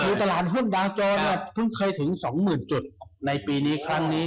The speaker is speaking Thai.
คือตลาดหุ้นดาวโจรเพิ่งเคยถึง๒๐๐๐จุดในปีนี้ครั้งนี้